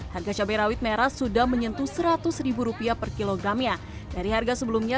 harga cabai rawit merah sudah menyentuh seratus rupiah per kilogram ya dari harga sebelumnya